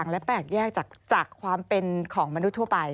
และแตกแยกจากความเป็นของมนุษย์ทั่วไป